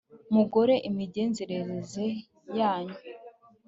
mugorore imigenzereze yanyu